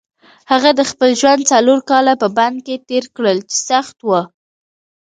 هغه د خپل ژوند څلور کاله په بند کې تېر کړل چې سخت وو.